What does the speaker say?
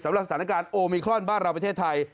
สำหรับสถานการณ์โอมิครอนบ้านเราประเทศไทย